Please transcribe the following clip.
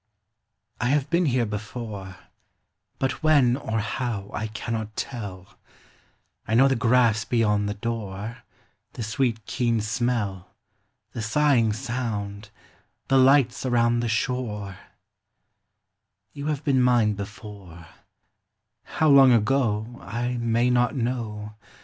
I have been here before, But when or how I cannot tell : I know the grass beyond the door, The sweet keen smell, The sighing sound, the lights around the shore, You have been mine before, — How long ago I may not know ; MEMORY.